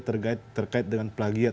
terkait dengan pelagiat